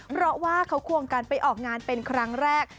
เพราะว่าเขาควงกันไปออกงานเป็นครั้งแรก